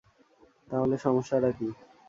তাহলে সমস্যাটা কি?